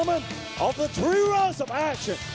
เพื่อต้องการแล้ว